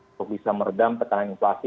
untuk bisa meredam tekanan inflasi